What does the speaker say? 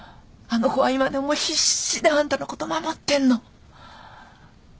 あの子は今でも必死であんたのこと守ってんの。